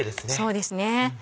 そうですね